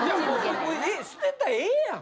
捨てたらええやん。